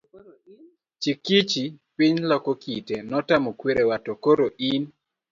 Chikichi piny loko kite ,notamo kwerewa, to koro in?